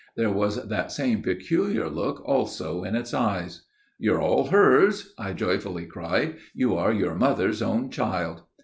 There was that same peculiar look also in its eyes. 'You're all hers!' I joyfully cried, 'you are your mother's own child!'